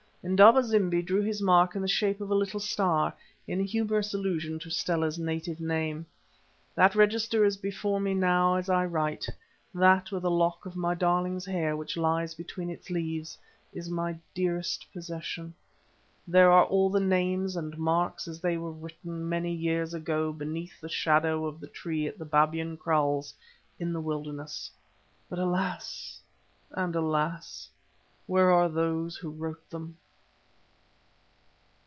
Indaba zimbi drew his mark in the shape of a little star, in humorous allusion to Stella's native name. That register is before me now as I write. That, with a lock of my darling's hair which lies between its leaves, is my dearest possession. There are all the names and marks as they were written many years ago beneath the shadow of the tree at Babyan Kraals in the wilderness, but alas! and alas! where are those who wrote them?